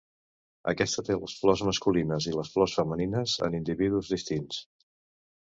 Aquesta té les flors masculines i les flors femenines en individus distints.